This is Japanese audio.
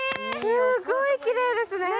すっごいきれいですね。